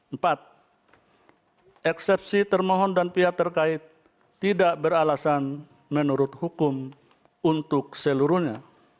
empat eksepsi termohon dan pihak terkait tidak beralasan menurut hukum untuk seluruhnya